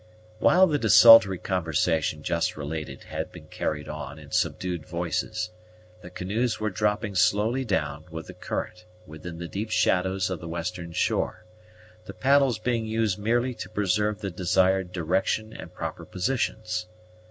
While the desultory conversation just related had been carried on in subdued voices, the canoes were dropping slowly down with the current within the deep shadows of the western shore, the paddles being used merely to preserve the desired direction and proper positions.